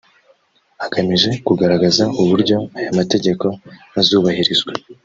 agamije kugaragaza uburyo aya mategeko azubahirizwa